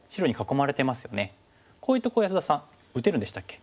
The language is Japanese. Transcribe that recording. こういうとこ安田さん打てるんでしたっけ？